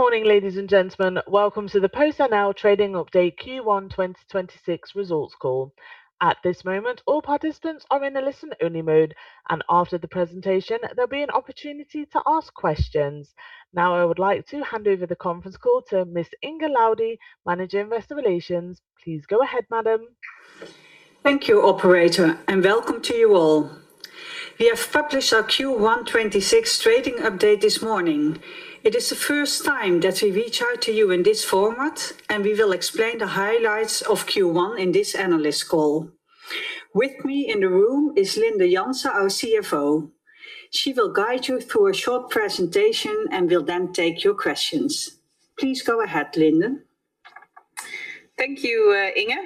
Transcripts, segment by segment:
Good morning, ladies and gentlemen. Welcome to the PostNL trading update Q1 2026 results call. At this moment, all participants are in a listen-only mode, and after the presentation, there'll be an opportunity to ask questions. Now, I would like to hand over the conference call to Miss Inge Laudy, managing investor relations. Please go ahead, madam. Thank you, operator, and welcome to you all. We have published our Q1 2026 trading update this morning. It is the first time that we reach out to you in this format, and we will explain the highlights of Q1 in this analyst call. With me in the room is Linde Jansen, our CFO. She will guide you through a short presentation and will then take your questions. Please go ahead, Linde. Thank you, Inge.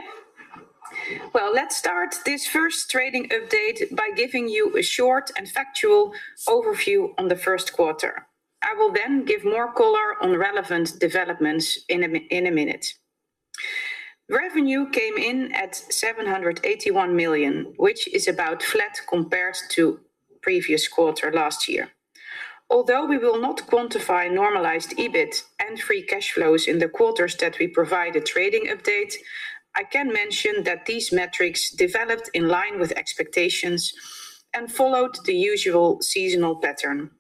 Well, let's start this first trading update by giving you a short and factual overview on the first quarter. I will then give more color on relevant developments in a minute. Revenue came in at 781 million, which is about flat compared to previous quarter last year. Although we will not quantify normalized EBIT and free cash flows in the quarters that we provide a trading update, I can mention that these metrics developed in line with expectations and followed the usual seasonal pattern.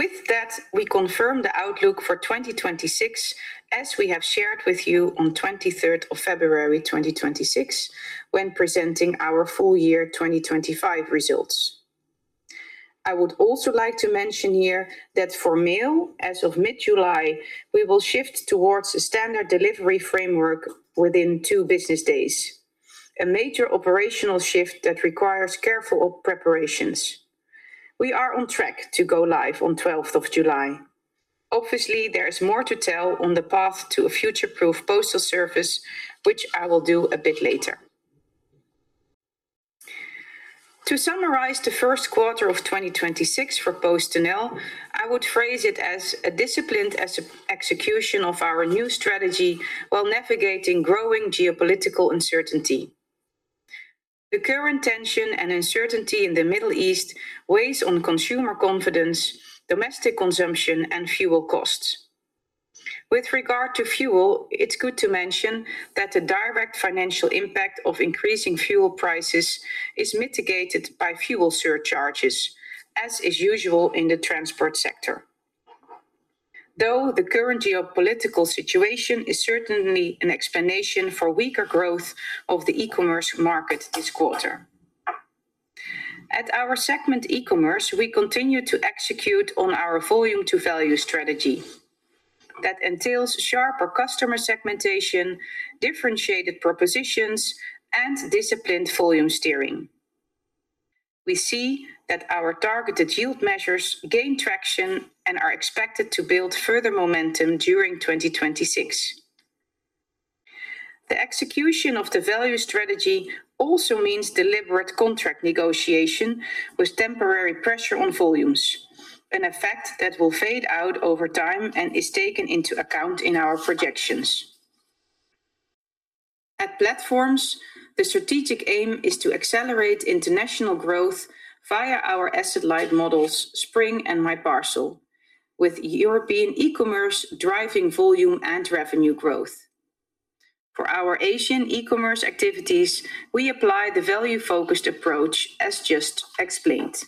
With that, we confirm the outlook for 2026, as we have shared with you on 23rd of February 2026 when presenting our full year 2025 results. I would also like to mention here that for mail, as of mid-July, we will shift towards a standard delivery framework within two business days. A major operational shift that requires careful preparations. We are on track to go live on 12th of July. Obviously, there is more to tell on the path to a future-proof postal service, which I will do a bit later. To summarize the first quarter of 2026 for PostNL, I would phrase it as a disciplined execution of our new strategy while navigating growing geopolitical uncertainty. The current tension and uncertainty in the Middle East weighs on consumer confidence, domestic consumption, and fuel costs. With regard to fuel, it's good to mention that the direct financial impact of increasing fuel prices is mitigated by fuel surcharges, as is usual in the transport sector. Though the current geopolitical situation is certainly an explanation for weaker growth of the e-commerce market this quarter. At our segment e-commerce, we continue to execute on our volume to value strategy that entails sharper customer segmentation, differentiated propositions, and disciplined volume steering. We see that our targeted yield measures gain traction and are expected to build further momentum during 2026. The execution of the value strategy also means deliberate contract negotiation with temporary pressure on volumes. An effect that will fade out over time and is taken into account in our projections. At Platforms, the strategic aim is to accelerate international growth via our asset-light models, Spring and MyParcel, with European e-commerce driving volume and revenue growth. For our Asian e-commerce activities, we apply the value-focused approach, as just explained.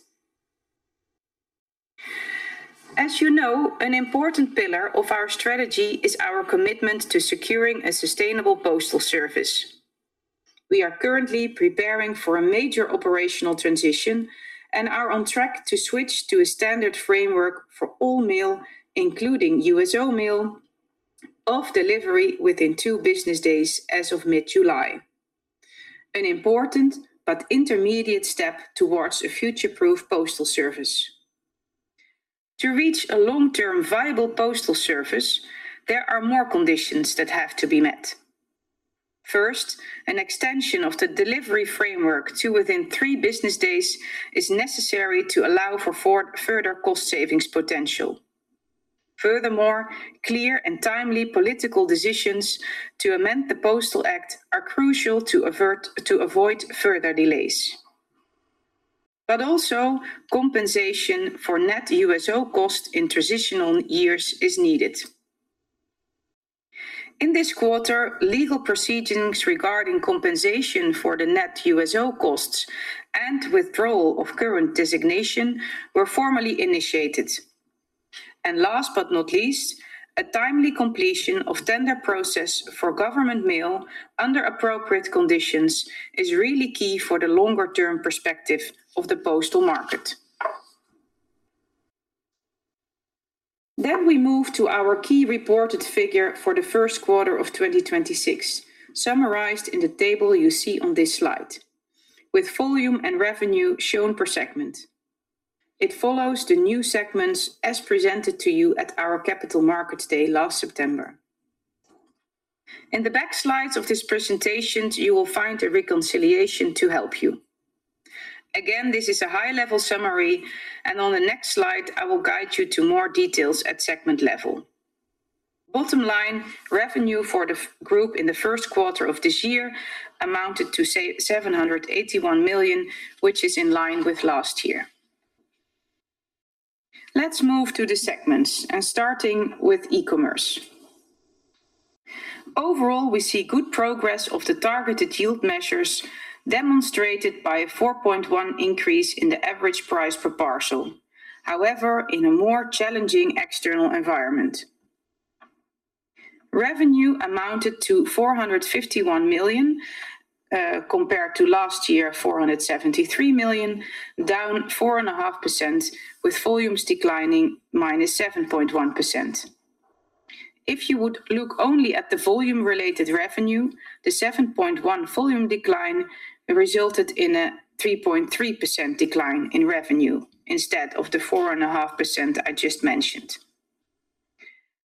As you know, an important pillar of our strategy is our commitment to securing a sustainable postal service. We are currently preparing for a major operational transition and are on track to switch to a standard framework for all mail, including USO mail, of delivery within two business days as of mid-July. An important but intermediate step towards a future-proof postal service. To reach a long-term viable postal service, there are more conditions that have to be met. First, an extension of the delivery framework to within three business days is necessary to allow for further cost savings potential. Furthermore, clear and timely political decisions to amend the Postal Act are crucial to avoid further delays. Also, compensation for net USO costs in transitional years is needed. In this quarter, legal proceedings regarding compensation for the net USO costs and withdrawal of current designation were formally initiated. Last but not least, a timely completion of tender process for government mail under appropriate conditions is really key for the longer term perspective of the postal market. We move to our key reported figure for the first quarter of 2026, summarized in the table you see on this slide, with volume and revenue shown per segment. It follows the new segments as presented to you at our Capital Markets Day last September. In the back slides of this presentations, you will find a reconciliation to help you. Again, this is a high-level summary, and on the next slide, I will guide you to more details at segment level. Bottom line, revenue for the group in the first quarter of this year amounted to say 781 million, which is in line with last year. Let's move to the segments and starting with e-commerce. Overall, we see good progress of the targeted yield measures demonstrated by a 4.1 increase in the average price per parcel. However, in a more challenging external environment. Revenue amounted to 451 million compared to last year, 473 million, down 4.5% with volumes declining -7.1%. If you would look only at the volume related revenue, the 7.1 volume decline resulted in a 3.3% decline in revenue instead of the 4.5% I just mentioned.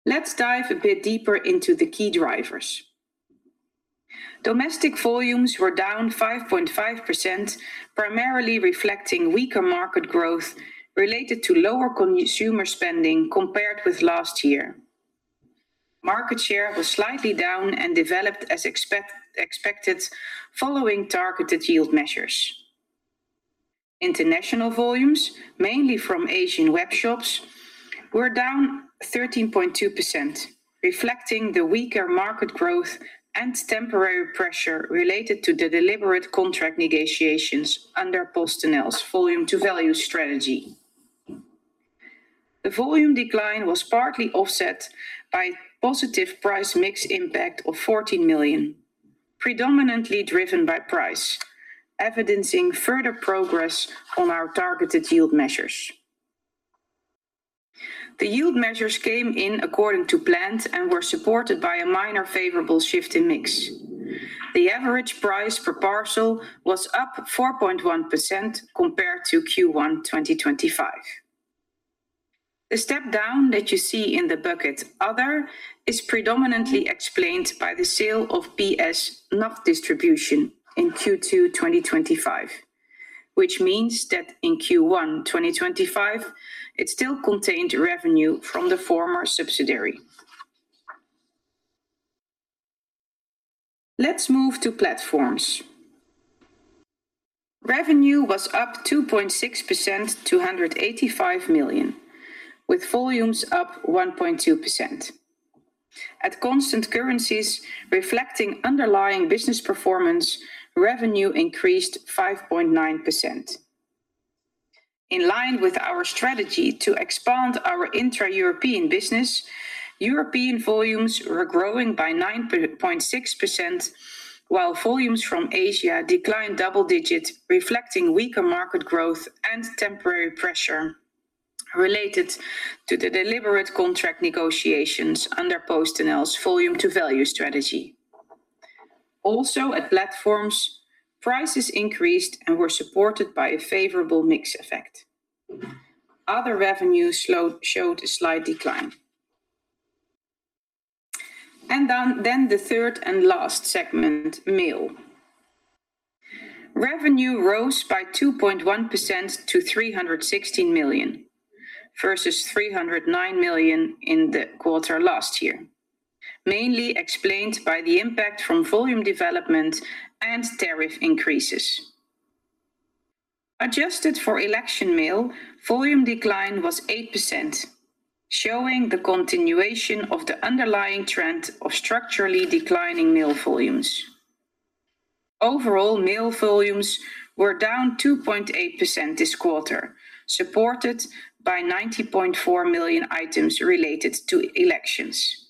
Let's dive a bit deeper into the key drivers. Domestic volumes were down 5.5%, primarily reflecting weaker market growth related to lower consumer spending compared with last year. Market share was slightly down and developed as expected following targeted yield measures. International volumes, mainly from Asian webshops, were down 13.2%, reflecting the weaker market growth and temporary pressure related to the deliberate contract negotiations under PostNL's volume to value strategy. The volume decline was partly offset by positive price mix impact of 14 million, predominantly driven by price, evidencing further progress on our targeted yield measures. The yield measures came in according to plans and were supported by a minor favorable shift in mix. The average price per parcel was up 4.1% compared to Q1 2025. The step down that you see in the bucket other is predominantly explained by the sale of PS Nok Distribution in Q2 2025. Which means that in Q1 2025, it still contained revenue from the former subsidiary. Let's move to platforms. Revenue was up 2.6% to 185 million, with volumes up 1.2%. At constant currencies reflecting underlying business performance, revenue increased 5.9%. In line with our strategy to expand our intra-European business, European volumes were growing by 9.6%, while volumes from Asia declined double digits, reflecting weaker market growth and temporary pressure related to the deliberate contract negotiations under PostNL's volume to value strategy. Also at platforms, prices increased and were supported by a favorable mix effect. Other revenue showed a slight decline. The third and last segment, Mail. Revenue rose by 2.1% to 360 million, versus 309 million in the quarter last year, mainly explained by the impact from volume development and tariff increases. Adjusted for election mail, volume decline was 8%, showing the continuation of the underlying trend of structurally declining mail volumes. Overall, mail volumes were down 2.8% this quarter, supported by 90.4 million items related to elections.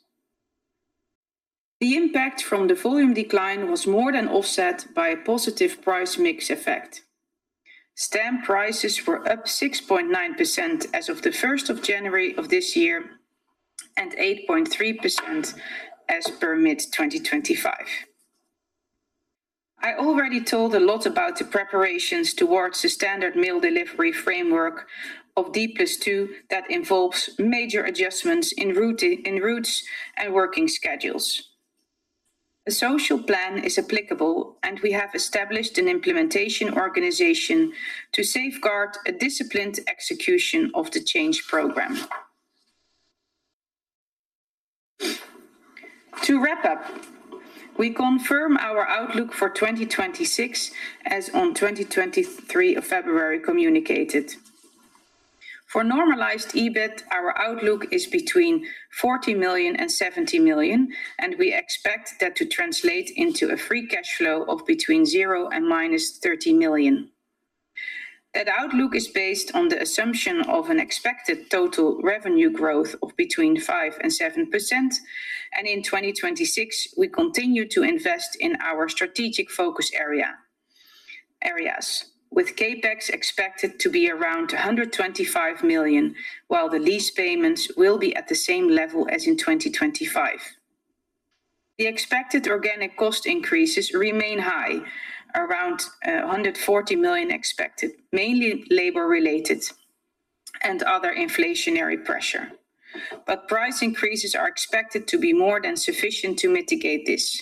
The impact from the volume decline was more than offset by a positive price mix effect. Stamp prices were up 6.9% as of the 1st of January this year, and 8.3% as per mid-2025. I already told a lot about the preparations towards the standard mail delivery framework of D+2 that involves major adjustments in routes and working schedules. The social plan is applicable, and we have established an implementation organization to safeguard a disciplined execution of the change program. To wrap up, we confirm our outlook for 2026 as on 2023 of February communicated. For normalized EBIT, our outlook is between 40 million and 70 million, and we expect that to translate into a free cash flow of between 0 and -30 million. That outlook is based on the assumption of an expected total revenue growth of between 5% and 7%. In 2026, we continue to invest in our strategic focus areas with CapEx expected to be around 225 million, while the lease payments will be at the same level as in 2025. The expected organic cost increases remain high, around 140 million expected, mainly labor-related and other inflationary pressure. Price increases are expected to be more than sufficient to mitigate this.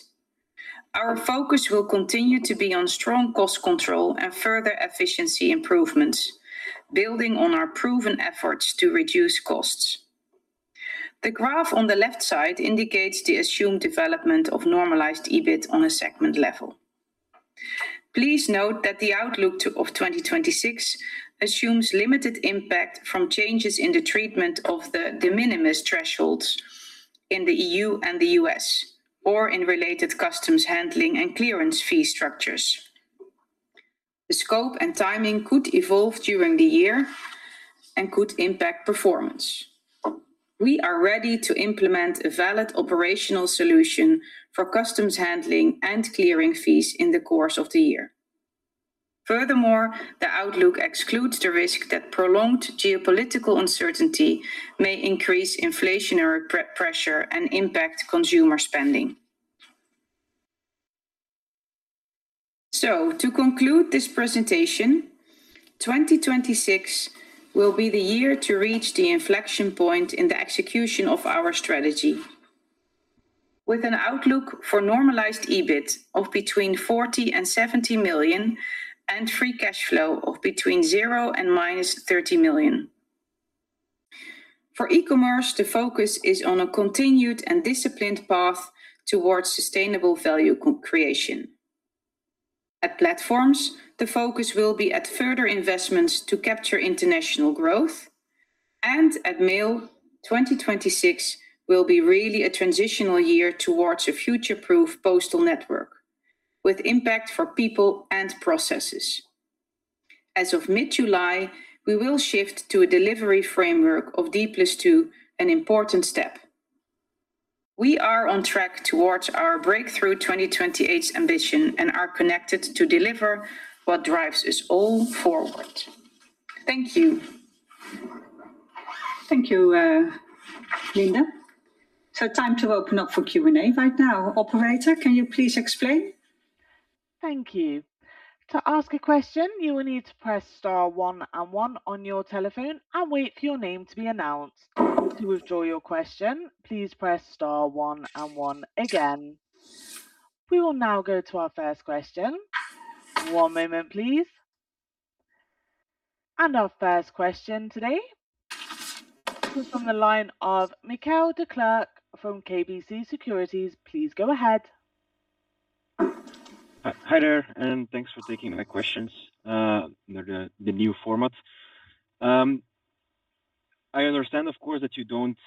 Our focus will continue to be on strong cost control and further efficiency improvements, building on our proven efforts to reduce costs. The graph on the left side indicates the assumed development of normalized EBIT on a segment level. Please note that the outlook of 2026 assumes limited impact from changes in the treatment of the de minimis thresholds in the EU and the U.S. or in related customs handling and clearance fee structures. The scope and timing could evolve during the year and could impact performance. We are ready to implement a valid operational solution for customs handling and clearing fees in the course of the year. Furthermore, the outlook excludes the risk that prolonged geopolitical uncertainty may increase inflationary pressure and impact consumer spending. To conclude this presentation, 2026 will be the year to reach the inflection point in the execution of our strategy. With an outlook for normalized EBIT of between 40 million and 70 million, and free cash flow of between 0 and -30 million. For e-commerce, the focus is on a continued and disciplined path towards sustainable value co-creation. At Platforms, the focus will be at further investments to capture international growth. And at Mail, 2026 will be really a transitional year towards a future-proof postal network with impact for people and processes. As of mid-July, we will shift to a delivery framework of D+2, an important step. We are on track towards our breakthrough 2028 ambition and are connected to deliver what drives us all forward. Thank you. Thank you, Linde. Time to open up for Q&A right now. Operator, can you please explain? Thank you. To ask a question, you will need to press star one and one on your telephone and wait for your name to be announced. To withdraw your question, please press star one and one again. We will now go to our first question. One moment please. Our first question today is from the line of Michiel Declercq from KBC Securities. Please go ahead. Hi, hi there, and thanks for taking my questions under the new format. I understand, of course, that you don't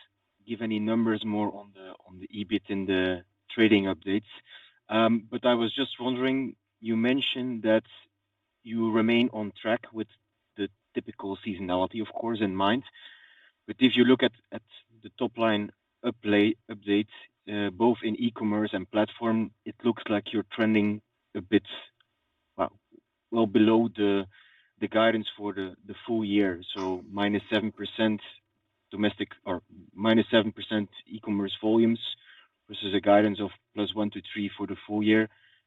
give any numbers more on the EBIT in the trading updates. I was just wondering, you mentioned that you remain on track with the typical seasonality, of course, in mind. If you look at the top-line updates both in e-commerce and Platforms, it looks like you're trending a bit well below the guidance for the full year. So -7% domestic or -7% e-commerce volumes versus a guidance of +1% to +3% for the full year.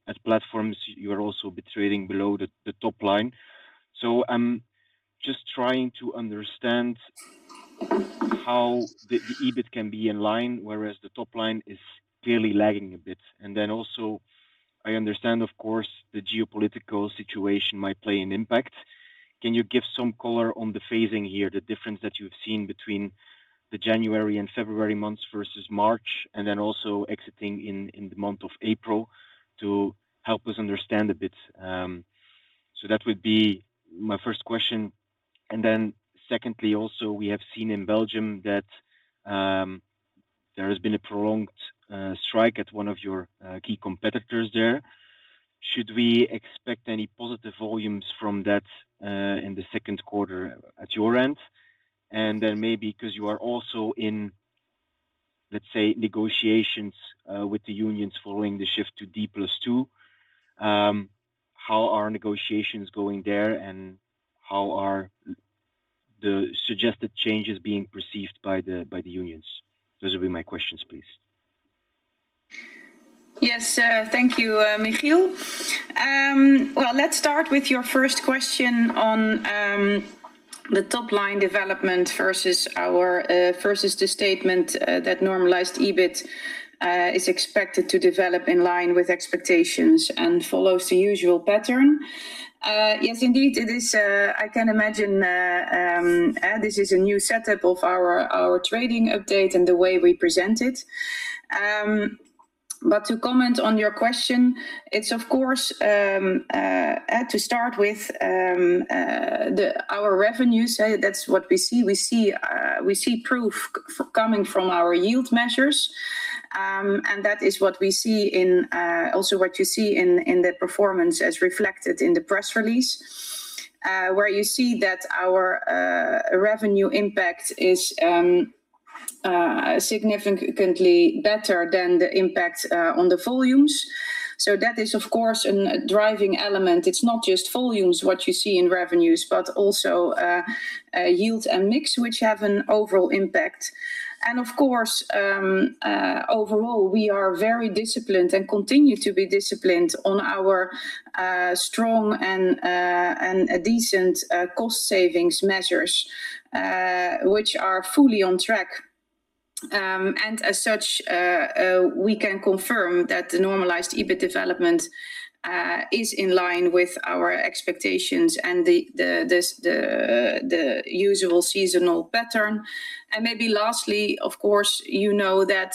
At Platforms, you're also trading below the top line. I'm just trying to understand how the EBIT can be in line, whereas the top line is clearly lagging a bit. Then also, I understand, of course, the geopolitical situation might play an impact. Can you give some color on the phasing here, the difference that you've seen between the January and February months versus March, and then also exiting in the month of April to help us understand a bit? That would be my first question. Secondly, also, we have seen in Belgium that there has been a prolonged strike at one of your key competitors there. Should we expect any positive volumes from that in the second quarter at your end? Then maybe because you are also in, let's say, negotiations with the unions following the shift to D+2, how are negotiations going there, and how are the suggested changes being perceived by the unions? Those will be my questions, please. Yes. Thank you, Michiel. Well, let's start with your first question on the top line development versus the statement that normalized EBIT is expected to develop in line with expectations and follows the usual pattern. Yes, indeed it is. I can imagine this is a new setup of our trading update and the way we present it. But to comment on your question, it's of course got to start with our revenue side. That's what we see. We see proof coming from our yield measures. And that is what we see in also what you see in the performance as reflected in the press release. Where you see that our revenue impact is significantly better than the impact on the volumes. That is of course a driving element. It's not just volumes, what you see in revenues, but also yield and mix, which have an overall impact. Of course, overall, we are very disciplined and continue to be disciplined on our strong and decent cost savings measures, which are fully on track. As such, we can confirm that the normalized EBIT development is in line with our expectations and the usual seasonal pattern. Maybe lastly, of course, you know that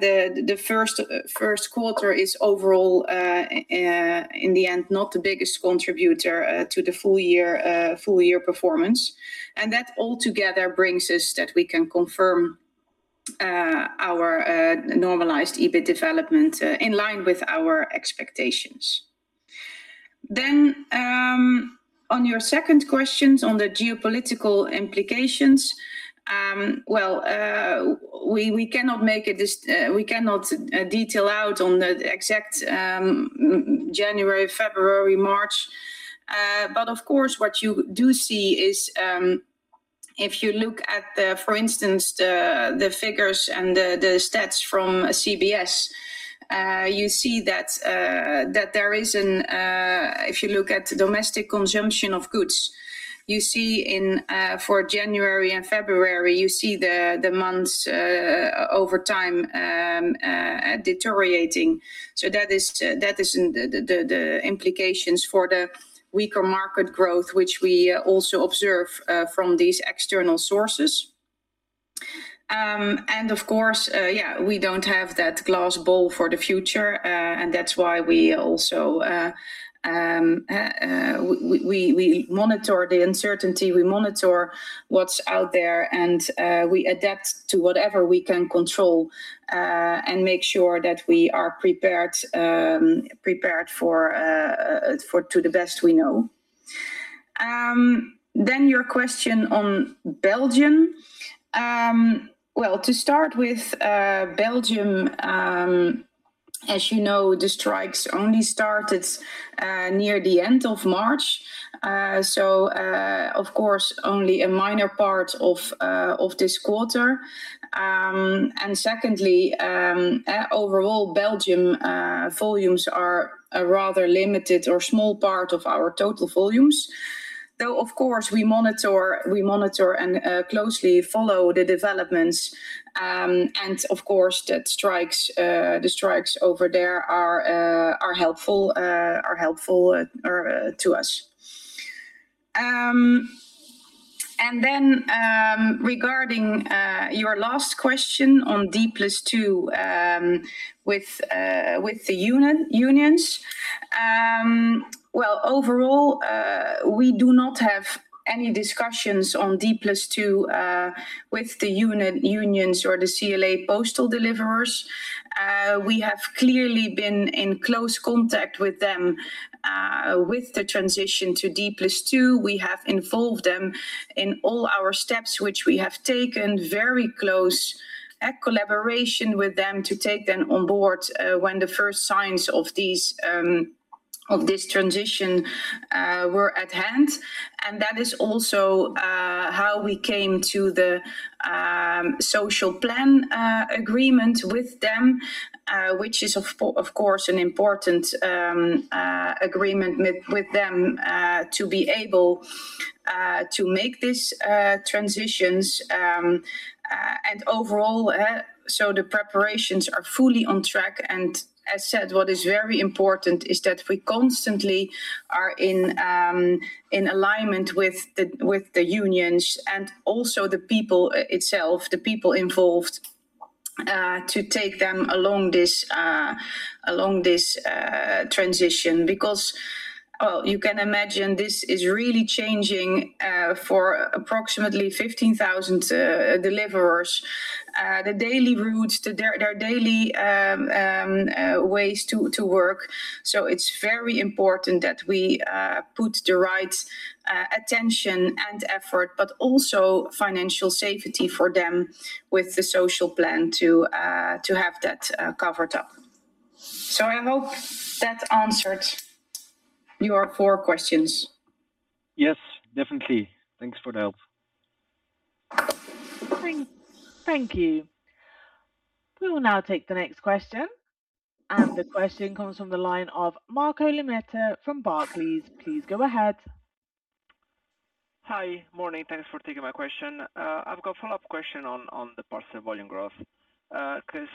the first quarter is overall in the end not the biggest contributor to the full year performance. That all together brings us that we can confirm our normalized EBIT development in line with our expectations. On your second questions on the geopolitical implications, well, we cannot detail out on the exact January, February, March. But of course what you do see is, if you look at, for instance, the figures and the stats from CBS, you see that there is an. If you look at domestic consumption of goods, you see in for January and February, you see the months over time deteriorating. That is in the implications for the weaker market growth, which we also observe from these external sources. Of course, we don't have that crystal ball for the future. That's why we also monitor the uncertainty. We monitor what's out there, and we adapt to whatever we can control, and make sure that we are prepared to the best we know. Your question on Belgium. Well, to start with, Belgium, as you know, the strikes only started near the end of March. Of course, only a minor part of this quarter. Secondly, overall Belgium volumes are a rather limited or small part of our total volumes. Though of course we monitor and closely follow the developments. Of course, the strikes over there are helpful to us. Regarding your last question on D+2 with the unions. Overall, we do not have any discussions on D+2 with the unions or the CLA postal deliverers. We have clearly been in close contact with them with the transition to D+2. We have involved them in all our steps which we have taken very close collaboration with them to take them on board when the first signs of this transition were at hand. That is also how we came to the social plan agreement with them, which is of course an important agreement with them to be able to make these transitions, and overall, the preparations are fully on track. As said, what is very important is that we constantly are in alignment with the unions and also the people involved to take them along this transition. Well, you can imagine this is really changing for approximately 15,000 deliverers, the daily routes, their daily ways to work. It's very important that we put the right attention and effort, but also financial safety for them with the social plan to have that covered up. I hope that answered your four questions. Yes, definitely. Thanks for the help. Thank you. We will now take the next question, and the question comes from the line of Marco Limite from Barclays. Please go ahead. Hi. Morning. Thanks for taking my question. I've got a follow-up question on the parcel volume growth, 'cause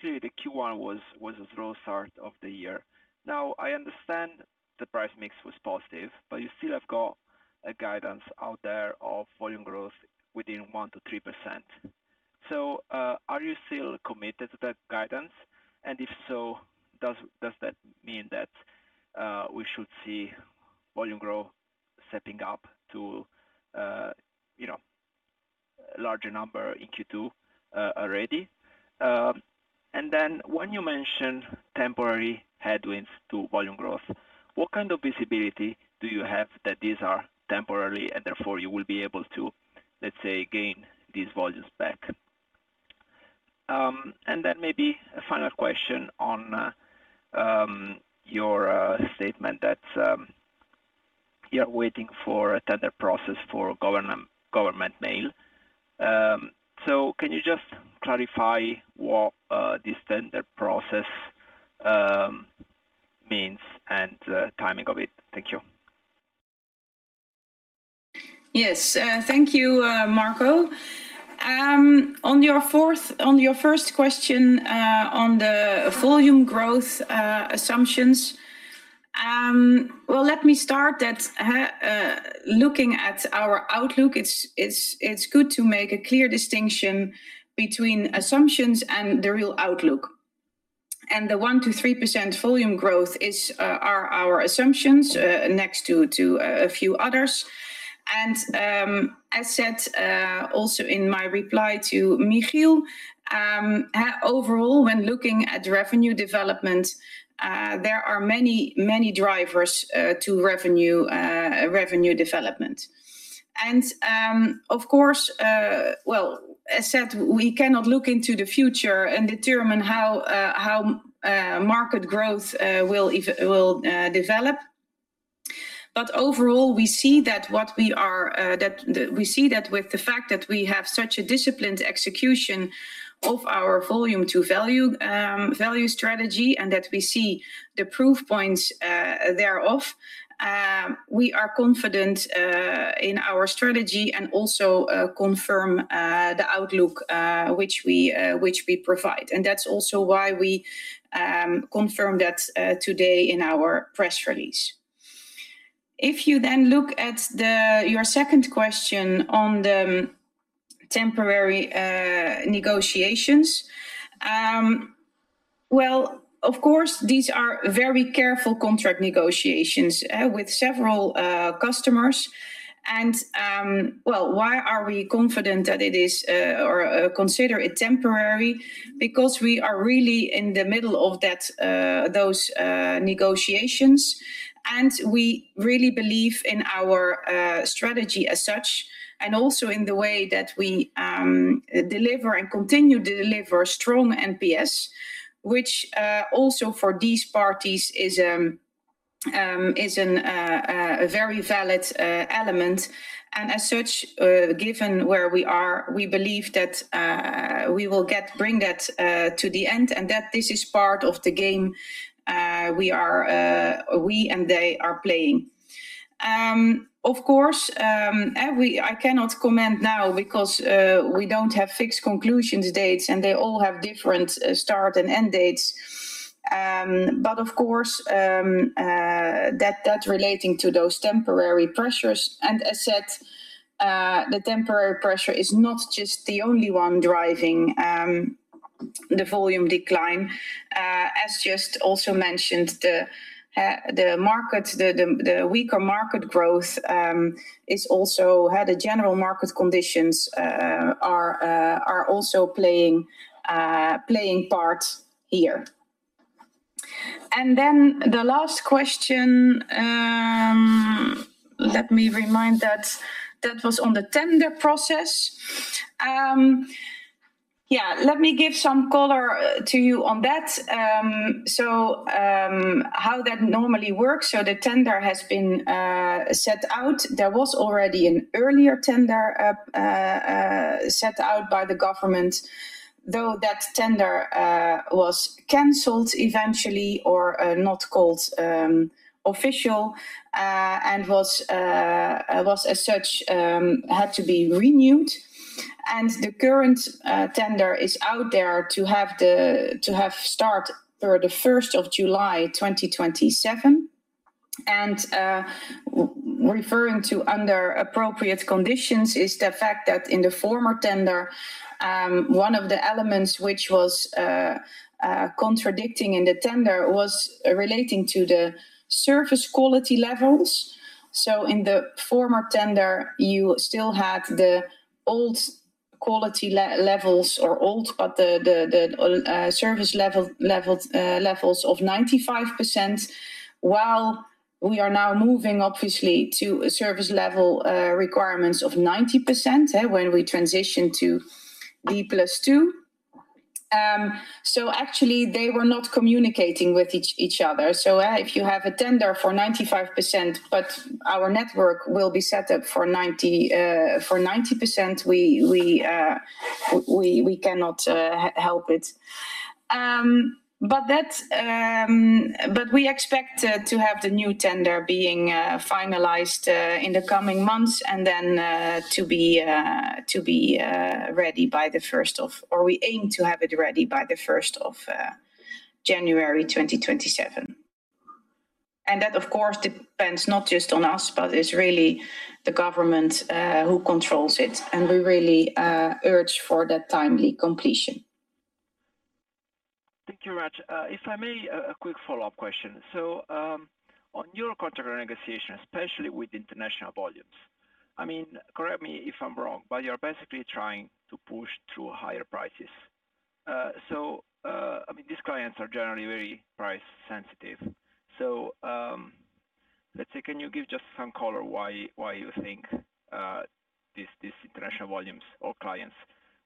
clearly the Q1 was a slow start of the year. Now, I understand the price mix was positive, but you still have got a guidance out there of volume growth within 1%-3%. Are you still committed to that guidance? If so, does that mean that we should see volume growth stepping up to, you know, larger number in Q2 already? When you mention temporary headwinds to volume growth, what kind of visibility do you have that these are temporary and therefore you will be able to, let's say, gain these volumes back? Maybe a final question on your statement that you are waiting for a tender process for government mail. Can you just clarify what this tender process means and the timing of it? Thank you. Yes. Thank you, Marco. On your first question, on the volume growth assumptions, well, let me start that, looking at our outlook, it's good to make a clear distinction between assumptions and the real outlook. The 1%-3% volume growth is our assumptions, next to a few others. As said, also in my reply to Michiel, overall when looking at revenue development, there are many drivers to revenue development. Of course, well, as said, we cannot look into the future and determine how market growth will develop. Overall, we see that with the fact that we have such a disciplined execution of our volume to value value strategy and that we see the proof points thereof, we are confident in our strategy and also confirm the outlook which we provide. That's also why we confirm that today in our press release. If you look at your second question on the temporary negotiations, well, of course, these are very careful contract negotiations with several customers. Well, why are we confident that it is or consider it temporary? Because we are really in the middle of those negotiations, and we really believe in our strategy as such, and also in the way that we deliver and continue to deliver strong NPS, which also for these parties is a very valid element. As such, given where we are, we believe that we will bring that to the end and that this is part of the game we and they are playing. Of course, I cannot comment now because we don't have fixed conclusions dates, and they all have different start and end dates. Of course, that relating to those temporary pressures. As said, the temporary pressure is not just the only one driving the volume decline. As just also mentioned, the weaker market growth is also how the general market conditions are also playing part here. Then the last question, let me remind that was on the tender process. Yeah, let me give some color to you on that. How that normally works, so the tender has been set out. There was already an earlier tender set out by the government, though that tender was canceled eventually or not called official and was as such had to be renewed. The current tender is out there to have start for the 1st of July 2027. Referring to under appropriate conditions is the fact that in the former tender, one of the elements which was contradicting in the tender was relating to the service quality levels. In the former tender, you still had the old quality levels or old, but the service levels of 95%, while we are now moving obviously to service level requirements of 90% when we transition to D+2. Actually, they were not communicating with each other. If you have a tender for 95%, but our network will be set up for 90%, we cannot help it. We expect to have the new tender being finalized in the coming months and then to be ready. We aim to have it ready by the first of January 2027. That, of course, depends not just on us, but it's really the government who controls it, and we really urge for that timely completion. Thank you, [maam]. If I may, a quick follow-up question. On your contract negotiation, especially with international volumes, I mean, correct me if I'm wrong, but you're basically trying to push to higher prices. I mean, these clients are generally very price sensitive. Let's say, can you give just some color why you think these international volumes or clients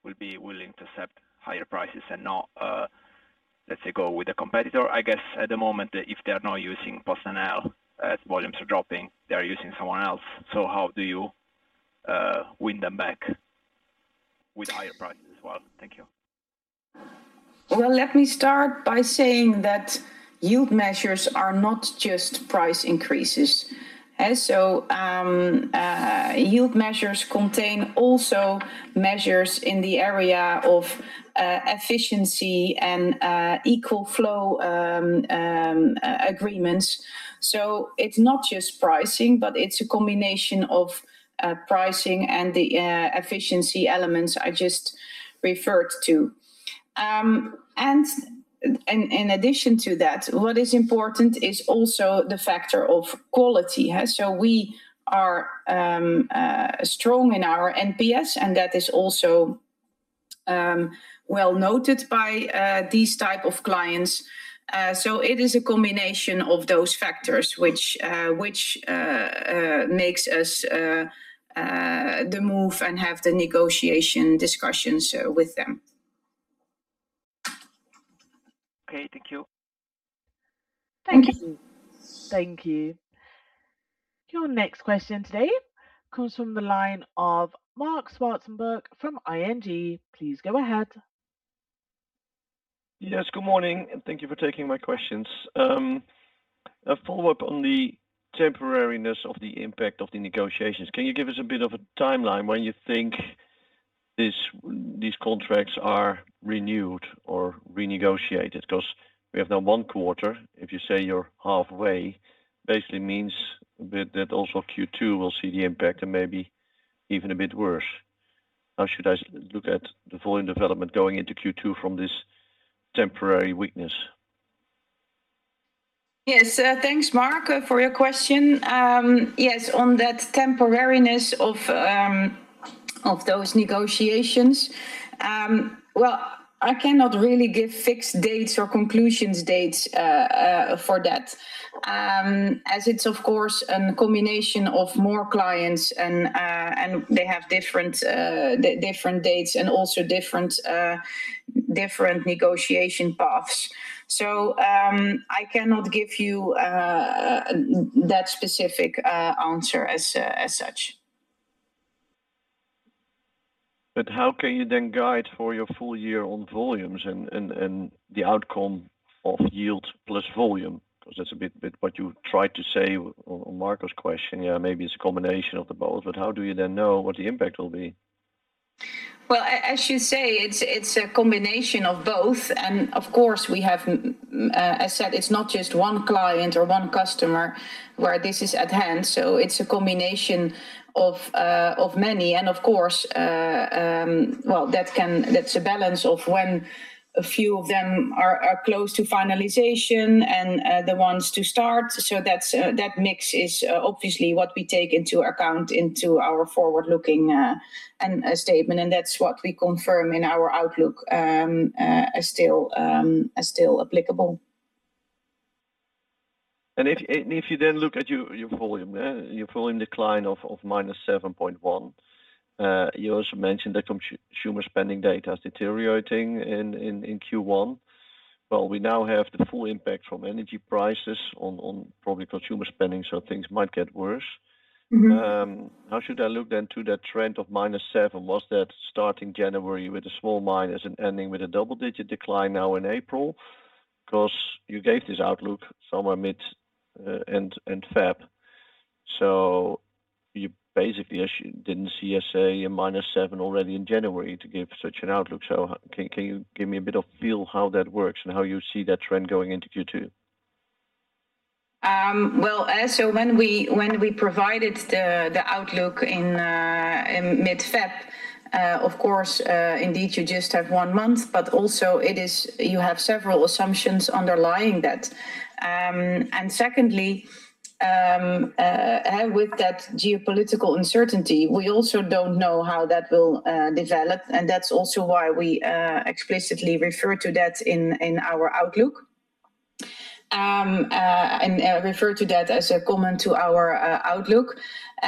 will be willing to accept higher prices and not, let's say, go with a competitor? I guess at the moment, if they are not using PostNL as volumes are dropping, they are using someone else. How do you win them back with higher prices as well? Thank you. Well, let me start by saying that yield measures are not just price increases. Yield measures contain also measures in the area of efficiency and equal flow agreements. It's not just pricing, but it's a combination of pricing and the efficiency elements I just referred to. In addition to that, what is important is also the factor of quality. Yeah, we are strong in our NPS, and that is also well-noted by these type of clients. It is a combination of those factors which makes us move and have the negotiation discussions with them. Okay. Thank you. Thank you. Thank you. Your next question today comes from the line of Marc Zwartsenburg from ING. Please go ahead. Yes. Good morning, and thank you for taking my questions. A follow-up on the temporariness of the impact of the negotiations. Can you give us a bit of a timeline when you think this, these contracts are renewed or renegotiated? 'Cause we have now one quarter, if you say you're halfway, basically means that also Q2 will see the impact and maybe even a bit worse. How should I look at the volume development going into Q2 from this temporary weakness? Yes. Thanks, Marc Zwartsenburg, for your question. Yes, on that temporariness of those negotiations, well, I cannot really give fixed dates or conclusions dates for that, as it's of course combination of more clients and they have different dates and also different negotiation paths. I cannot give you that specific answer as such. How can you then guide for your full year on volumes and the outcome of yield plus volume? 'Cause that's a bit what you tried to say on Marco's question. Yeah, maybe it's a combination of the both, but how do you then know what the impact will be? Well, as you say, it's a combination of both. Of course, we have as said, it's not just one client or one customer where this is at hand, so it's a combination of many. Of course, that's a balance of when a few of them are close to finalization and the ones to start. That's that mix is obviously what we take into account into our forward-looking and statement, and that's what we confirm in our outlook as still applicable. If you then look at your volume decline of -7.1%, you also mentioned the consumer spending data is deteriorating in Q1. Well, we now have the full impact from energy prices on probably consumer spending, so things might get worse. Mm-hmm. How should I look then to that trend of -7%? Was that starting January with a small minus and ending with a double-digit decline now in April? 'Cause you gave this outlook somewhere mid-end February. You basically didn't see, let's say, a -7% already in January to give such an outlook. Can you give me a bit of feel how that works and how you see that trend going into Q2? Well, so when we provided the outlook in mid-February, of course, indeed you just have one month, but also you have several assumptions underlying that. Secondly, with that geopolitical uncertainty, we also don't know how that will develop, and that's also why we explicitly refer to that in our outlook, and refer to that as a comment to our outlook.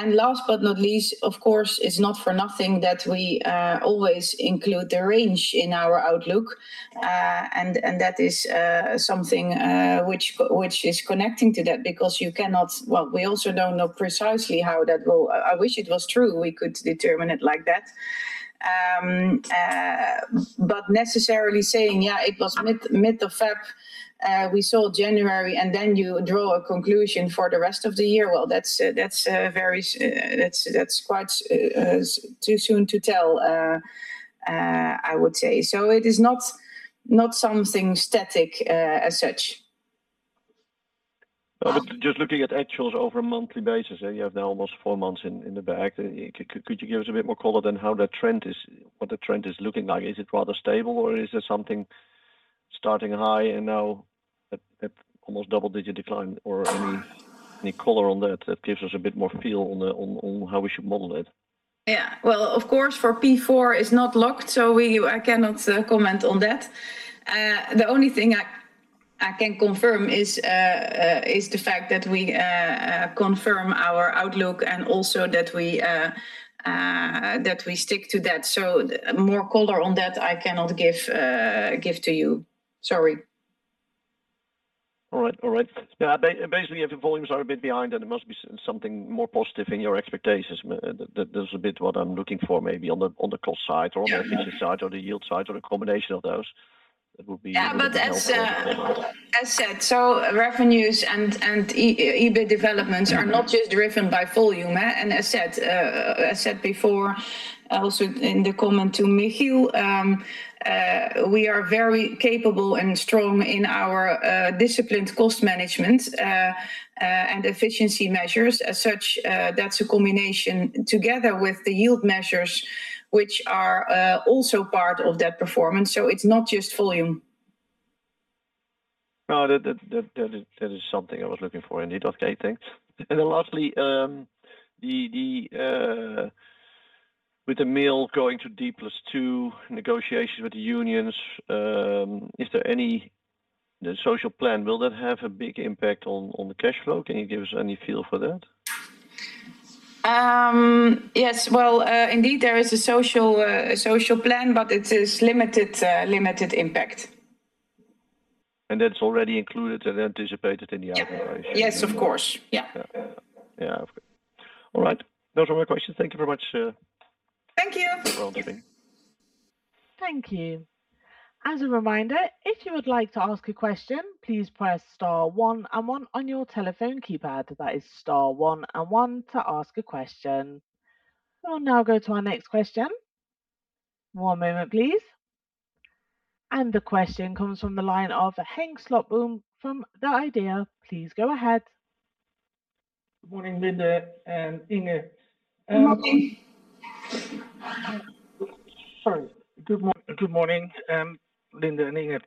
Last but not least, of course, it's not for nothing that we always include the range in our outlook. That is something which is connecting to that because you cannot. Well, we also don't know precisely how that will. I wish it was true, we could determine it like that. Not necessarily saying, yeah, it was mid of Feb, we saw January, and then you draw a conclusion for the rest of the year. Well, that's quite too soon to tell, I would say. It is not something static as such. Just looking at actuals over a monthly basis, yeah, you have now almost four months in the bag. Could you give us a bit more color on how the trend is, what the trend is looking like? Is it rather stable, or is it something starting high and now at almost double-digit decline or any color on that that gives us a bit more feel on how we should model it? Yeah. Well, of course for P4, it's not locked, so I cannot comment on that. The only thing I can confirm is the fact that we confirm our outlook and also that we stick to that. More color on that I cannot give to you. Sorry. All right. Now basically, if the volumes are a bit behind then there must be something more positive in your expectations. That is a bit what I'm looking for maybe on the cost side or on the efficiency side or the yield side or a combination of those. That would be helpful. Yeah, as said, revenues and EBIT developments are not just driven by volume, and as said before, also in the comment to Michiel Declercq, we are very capable and strong in our disciplined cost management and efficiency measures. As such, that's a combination together with the yield measures which are also part of that performance, it's not just volume. No, that is something I was looking for indeed. Okay, thanks. Then lastly, with the mail going to D+2 negotiations with the unions, is there any the social plan, will that have a big impact on the cash flow? Can you give us any feel for that? Yes. Indeed there is a social plan, but it is limited impact. That's already included and anticipated in the operation? Yeah. Yes, of course. Yeah. Yeah. Yeah. All right. Those are my questions. Thank you very much. Thank you. Thank you. As a reminder, if you would like to ask a question, please press star one and one on your telephone keypad. That is star one and one to ask a question. We'll now go to our next question. One moment please. The question comes from the line of Henk Slotboom from The IDEA!. Please go ahead. Good morning, Linde and Inge. Morning. Sorry. Good morning, Linde and Inge.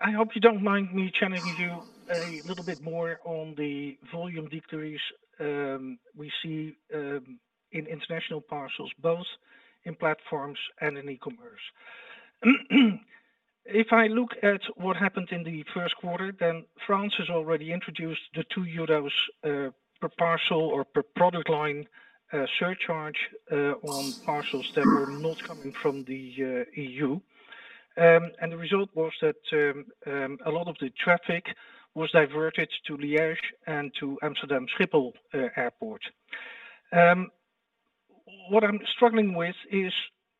I hope you don't mind me challenging you a little bit more on the volume decrease we see in international parcels, both in platforms and in e-commerce. If I look at what happened in the first quarter, France has already introduced the 2 euros per parcel or per product line surcharge on parcels that were not coming from the EU, and the result was that a lot of the traffic was diverted to Liège and to Amsterdam Schiphol Airport. What I'm struggling with is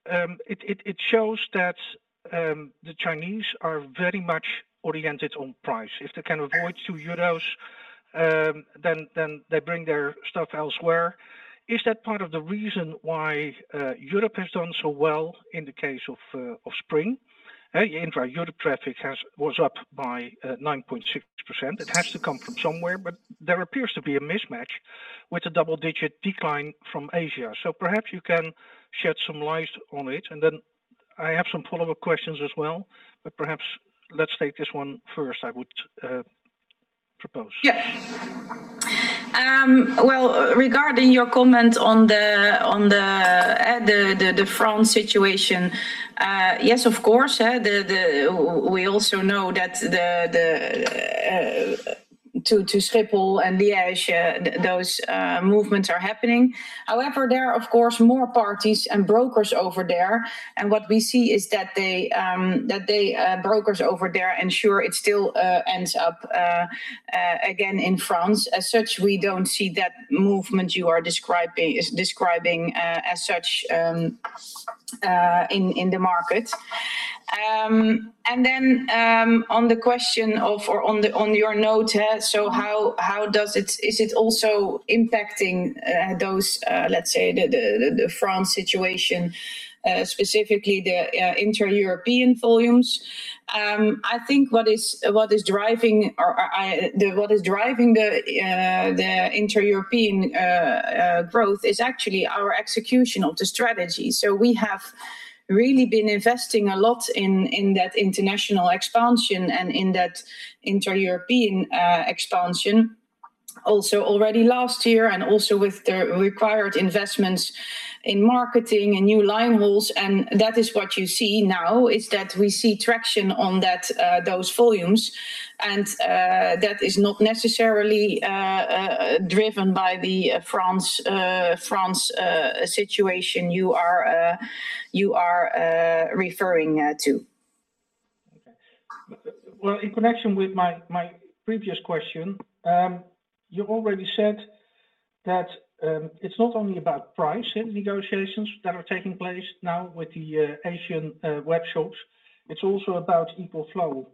it shows that the Chinese are very much oriented on price. If they can avoid 2 euros, then they bring their stuff elsewhere. Is that part of the reason why Europe has done so well in the case of Spring? Hey, intra-Europe traffic was up by 9.6%. It has to come from somewhere, but there appears to be a mismatch with a double-digit decline from Asia. Perhaps you can shed some light on it and then I have some follow-up questions as well, but perhaps let's take this one first, I would propose. Yes. Well, regarding your comment on the France situation, yes, of course, we also know that those movements to Schiphol and Liège are happening. However, there are of course more parties and brokers over there, and what we see is that the brokers over there ensure it still ends up again in France. As such, we don't see that movement you are describing as such in the market. Then, on the question or on your note, so how does it. Is it also impacting those, let's say the France situation, specifically the inter-European volumes? I think what is driving the inter-European growth is actually our execution of the strategy. We have really been investing a lot in that international expansion and in that inter-European expansion also already last year and also with the required investments in marketing and new line roles. That is what you see now, that we see traction on those volumes. That is not necessarily driven by the France situation you are referring to. Okay. Well, in connection with my previous question, you already said that it's not only about price in negotiations that are taking place now with the Asian webshops, it's also about equal flow.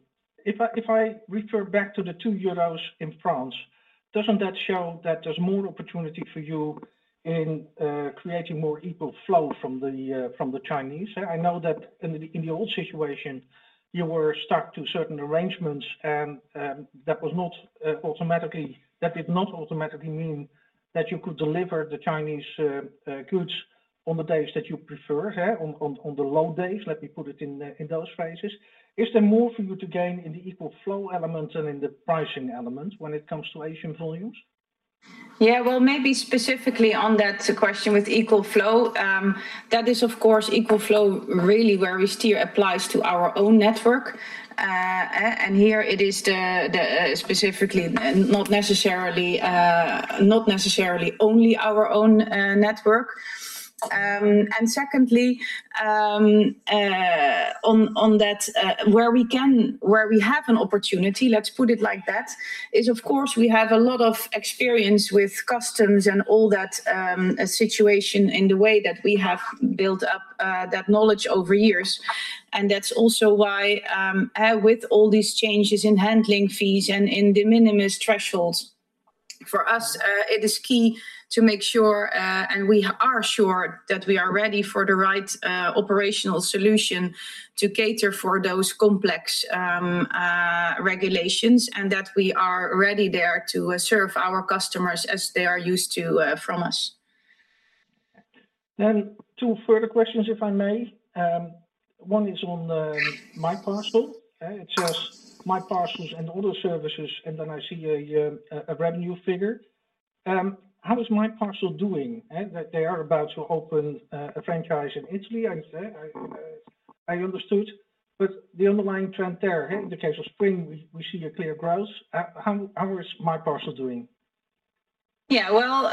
If I refer back to the 2 euros in France, doesn't that show that there's more opportunity for you in creating more equal flow from the Chinese? I know that in the old situation, you were stuck to certain arrangements and that did not automatically mean that you could deliver the Chinese goods on the days that you prefer, yeah, on the low days, let me put it in those phrases. Is there more for you to gain in the equal flow element and in the pricing element when it comes to Asian volumes? Well, maybe specifically on that question with equal flow, that is of course equal flow really where we steer applies to our own network. Here it is specifically not necessarily only our own network. Secondly, on that where we have an opportunity, let's put it like that, is of course we have a lot of experience with customs and all that situation in the way that we have built up that knowledge over years. That's also why, with all these changes in handling fees and in de minimis thresholds, for us, it is key to make sure, and we are sure that we are ready for the right, operational solution to cater for those complex, regulations and that we are ready there to serve our customers as they are used to, from us. Two further questions, if I may. One is on MyParcel. It says MyParcel's and other services, and then I see a revenue figure. How is MyParcel doing? That they are about to open a franchise in Italy, I'd say, I understood. But the underlying trend there, in the case of Spring, we see a clear growth. How is MyParcel doing? Yeah, well,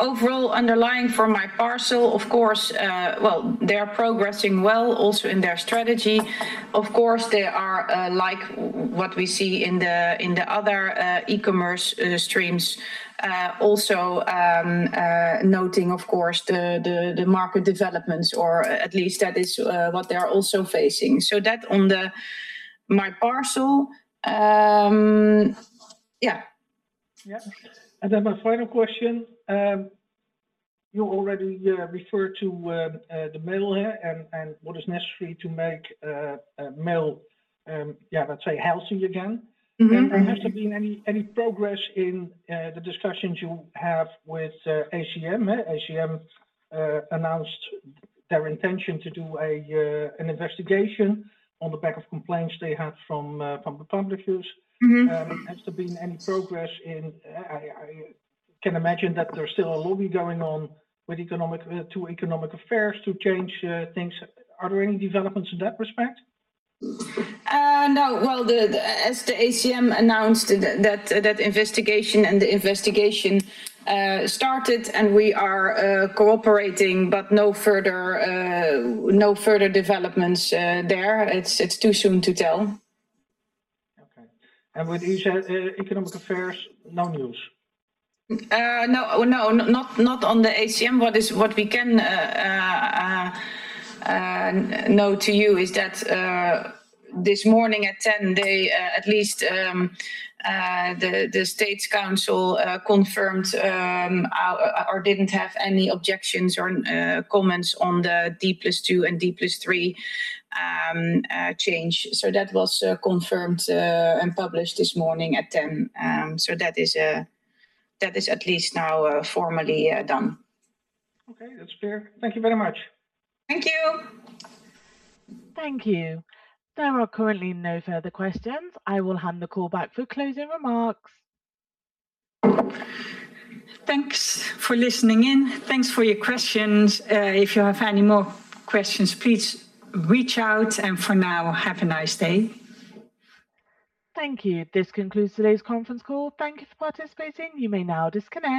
overall underlying for MyParcel, of course, they are progressing well also in their strategy. Of course, they are like what we see in the other e-commerce streams also noting of course the market developments or at least that is what they are also facing. That on the MyParcel, yeah. Yeah. My final question, you already referred to the mail here and what is necessary to make mail, yeah, let's say healthy again? Mm-hmm. Has there been any progress in the discussions you have with ACM? ACM announced their intention to do an investigation on the back of complaints they had from the publishers. Mm-hmm. Has there been any progress? I can imagine that there's still a lobby going on with Economic Affairs to change things. Are there any developments in that respect? No. Well, as the ACM announced that investigation and the investigation started and we are cooperating, but no further developments there. It's too soon to tell. Okay. With economic affairs, no news? No, not on the ACM. What we can note to you is that this morning at 10 they, at least the Council of State, confirmed or didn't have any objections or comments on the D+2 and D+3 change. That was confirmed and published this morning at 10. That is at least now formally done. Okay, that's fair. Thank you very much. Thank you. Thank you. There are currently no further questions. I will hand the call back for closing remarks. Thanks for listening in. Thanks for your questions. If you have any more questions, please reach out, and for now, have a nice day. Thank you. This concludes today's conference call. Thank you for participating. You may now disconnect.